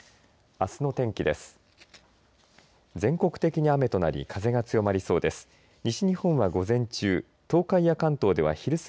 あすの天気です。